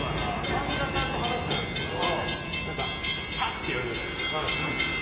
神田さんと話してたんですけどハッ！ってやるじゃないですか。